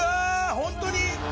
本当に。